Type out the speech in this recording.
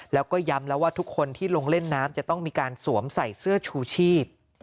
แล้วก็ย้ำแล้วว่าทุกคนที่ลงเล่นน้ำจะต้องมีการสวมใส่เสื้อชูชีพ